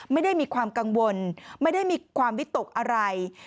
ไม่ได้มีความกังวลไม่ได้มีความวิตกอะไร